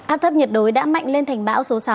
áp thấp nhiệt đới đã mạnh lên thành bão số sáu